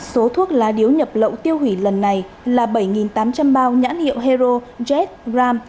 số thuốc lá điếu nhập lậu tiêu hủy lần này là bảy tám trăm linh bao nhãn hiệu hero jet gram